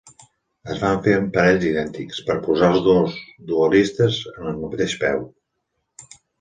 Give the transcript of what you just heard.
Es van fer en parells idèntics per posar els dos duelistes en el mateix peu.